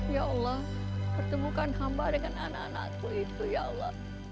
ya allah pertemukan hamba dengan anak anakku itu ya allah